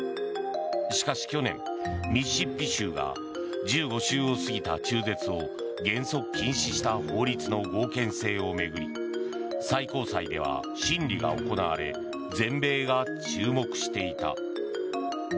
しかし去年、ミシシッピ州が１５週を過ぎた中絶を原則禁止した法律の合憲性を巡り最高裁では審理が行われ全米が注目していた。